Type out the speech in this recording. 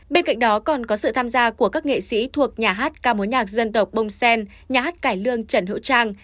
bên cạnh đó còn có sự tham gia của các nghệ sĩ thuộc nhà hát ca mối nhạc dân tộc bông sen nhà hát cải lương trần hữu trang